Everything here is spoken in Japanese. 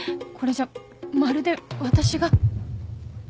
これじゃまるで私が